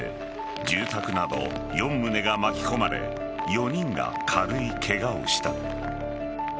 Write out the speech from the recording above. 住宅など４棟が巻き込まれ４人が軽いケガをした。